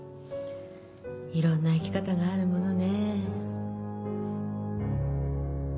いろんな生き方があるものね。